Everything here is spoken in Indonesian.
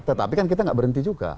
tetapi kan kita nggak berhenti juga